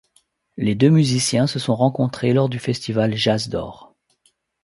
Les deux musiciens se sont rencontrés lors du festival Jazzdor.